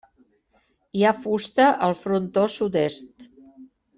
Hi ha fusta al frontó sud-est.